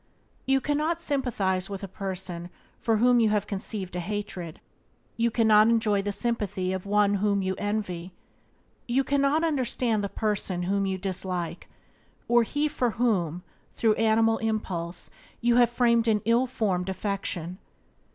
You cannot sympathize with a person for whom you have conceived a hatred; you cannot enjoy the sympathy of one whom you envy. You cannot understand the person whom you dislike, or he for whom, through animal impulse, you have framed an ill formed affection.